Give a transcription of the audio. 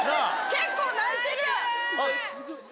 結構泣いてる！